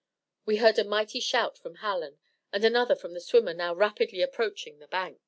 We heard a mighty shout from Hallen, and another from the swimmer now rapidly approaching the bank.